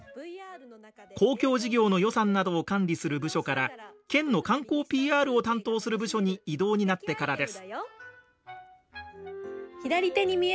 公共事業の予算などを管理する部署から県の観光ＰＲを担当する部署に異動になってからです。